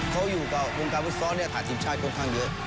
เขาอยู่กับวงการฟุตซอลผ่านทีมชาติค่อนข้างเยอะ